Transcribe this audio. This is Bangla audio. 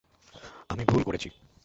আমি ভুল করেছি।